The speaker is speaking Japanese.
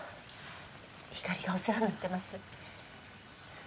ひかりがお世話になってます。